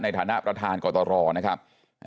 ในฐานะประธานกตรนะครับ